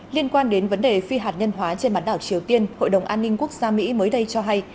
liên quan đến vấn đề phi hạt nhân hóa trên bán đảo triều tiên hội đồng an ninh quốc gia mỹ mới đây cho hay